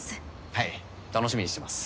はい楽しみにしてます。